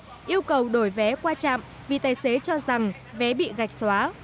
những nhân viên yêu cầu đổi vé qua trạm vì tài xế cho rằng vé bị gạch xóa